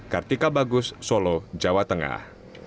kartika bagus solo jawa tengah